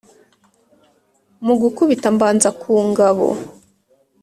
Mu gukubita mbanza ku ngabo